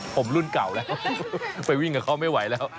ผมรุ่นเก่าแล้วไปวิ่งกับเขาไม่ไหวแล้ว